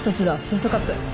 ソフトカップ。